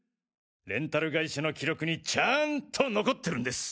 レンタル会社の記録にちゃんと残ってるんです。